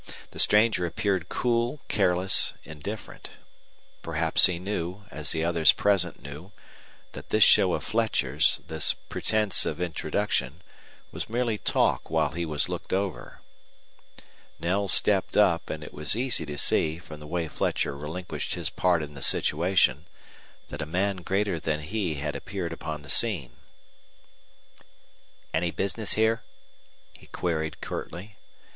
The stranger appeared cool, careless, indifferent. Perhaps he knew, as the others present knew, that this show of Fletcher's, this pretense of introduction, was merely talk while he was looked over. Knell stepped up, and it was easy to see, from the way Fletcher relinquished his part in the situation, that a man greater than he had appeared upon the scene. "Any business here?" he queried, curtly.